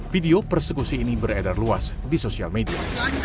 video persekusi ini beredar luas di sosial media